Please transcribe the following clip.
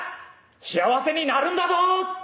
幸せになるんだど！」